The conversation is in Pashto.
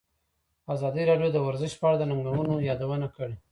ازادي راډیو د ورزش په اړه د ننګونو یادونه کړې.